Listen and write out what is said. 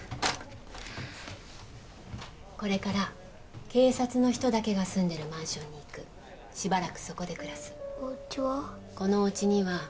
これから警察の人だけが住んでるマンションに行くしばらくそこで暮らすおうちは？